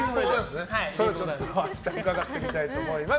伺ってみたいと思います。